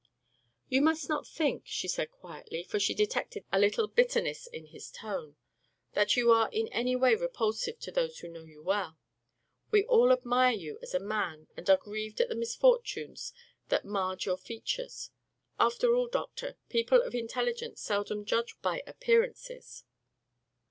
"You must not think," she said quietly, for she detected a little bitterness in his tone, "that you are in any way repulsive to those who know you well. We all admire you as a man and are grieved at the misfortunes that marred your features. After all, Doctor, people of intelligence seldom judge one by appearances."